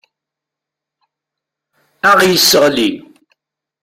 Ad aɣ-yesseɣli.